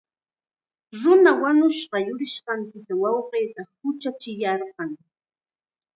Nuna wañushqa yurinqanpita wawqiita huchachiyarqan.